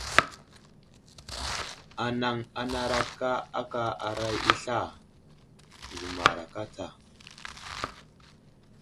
Anaŋ anaraka aka aray i sla, zəmaraka tsa.